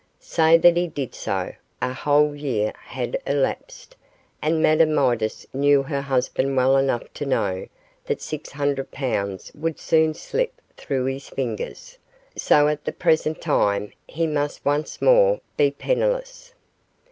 Say that he did so, a whole year had elapsed, and Madame Midas knew her husband well enough to know that six hundred pounds would soon slip through his fingers, so at the present time he must once more be penniless.